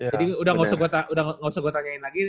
jadi udah ga usah gua tanyain lagi